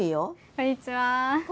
こんにちは。